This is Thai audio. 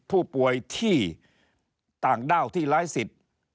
ผู้ป่วยที่ต่างด้าวที่ร้ายสิทธิ์